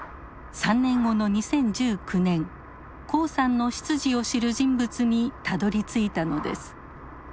３年後の２０１９年黄さんの出自を知る人物にたどりついたのです。